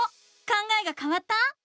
考えがかわった？